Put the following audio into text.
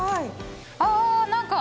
ああ何か。